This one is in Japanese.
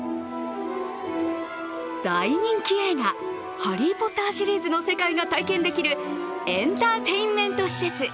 大人気映画「ハリー・ポッター」シリーズの世界が体験できるエンターテインメント施設。